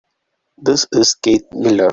This is Keith Miller.